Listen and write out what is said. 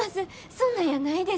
そんなんやないです。